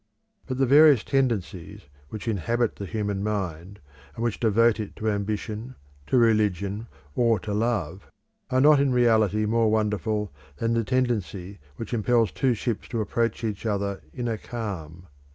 But the various tendencies which inhabit the human mind, and which devote it to ambition, to religion, or to love, are not in reality more wonderful than the tendency which impels two ships to approach each other in a calm.